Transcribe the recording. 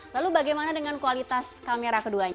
lalu bagaimana dengan kualitas kamera keduanya